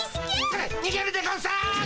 それにげるでゴンス！